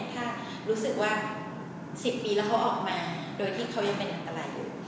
ถ้ารู้สึกว่า๑๐ปีแล้วเขาออกมาโดยที่เขายังเป็นอันตราย